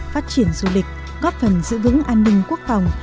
phát triển du lịch góp phần giữ vững an ninh quốc phòng